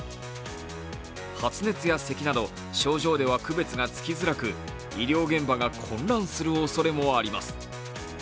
発熱や咳など症状では区別がつきづらく医療現場が混乱するおそれもあります。